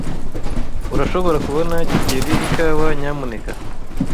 Urashobora kubona kigeli ikawa, nyamuneka?